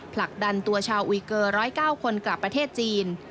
ผลักดันตัวชาวอุยเกอร์๑๐๙คนกลับประเทศจีน